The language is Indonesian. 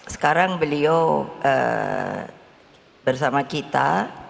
sekarang beliau bersama kita